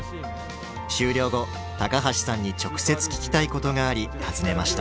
終了後高橋さんに直接聞きたいことがあり訪ねました。